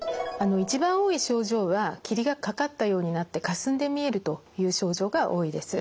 一番多い症状は霧がかかったようになってかすんで見えるという症状が多いです。